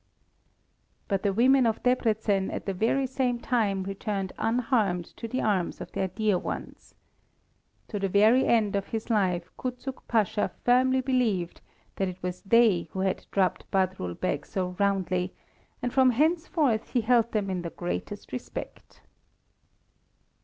But the women of Debreczen at the very same time returned unharmed to the arms of their dear ones. To the very end of his life Kuczuk Pasha firmly believed that it was they who had drubbed Badrul Beg so roundly, and from henceforth he held them in the greatest respect.